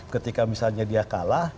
ketika misalnya dia kalah